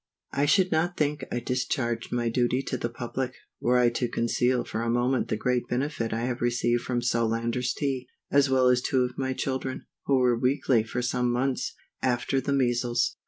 I should not think I discharged my duty to the public, were I to conceal for a moment the great benefit I have received from Solander's Tea, as well as two of my children, who were weakly for some months, after the measles.